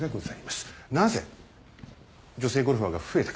なぜ女性ゴルファーが増えたか。